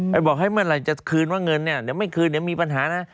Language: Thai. บอกให้เมื่อไหร่จะคืนว่าเงินเนี่ยเดี๋ยวไม่คืนเดี๋ยวมีปัญหานะ